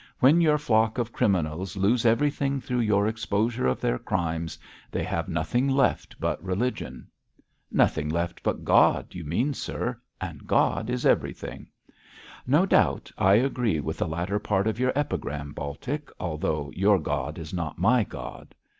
'When your flock of criminals lose everything through your exposure of their crimes, they have nothing left but religion.' 'Nothing left but God, you mean, sir; and God is everything.' 'No doubt I agree with the latter part of your epigram, Baltic, although your God is not my God.'